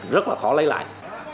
rất là khó lấy lại